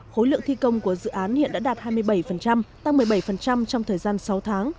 khối lượng thi công của dự án hiện đã đạt hai mươi bảy tăng một mươi bảy trong thời gian sáu tháng